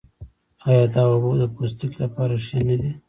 آیا دا اوبه د پوستکي لپاره ښې نه دي؟